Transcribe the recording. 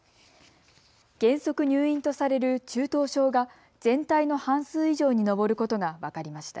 原則入院とされる中等症が全体の半数以上に上ることが分かりました。